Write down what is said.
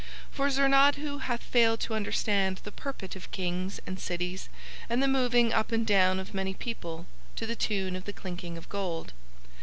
For Zornadhu hath failed to understand the purport of Kings and cities and the moving up and down of many people to the tune of the clinking of gold.